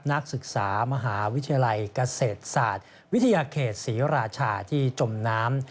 นักศึกษามหาวิทยาลัยเกษตรศาสตร์วิทยาเขตศรีราชาที่จมน้ำ